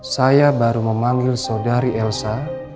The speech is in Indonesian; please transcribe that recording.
saya baru memanggil saudari elsa